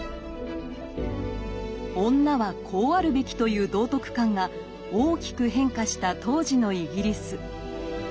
「女はこうあるべき」という道徳観が大きく変化した当時のイギリス。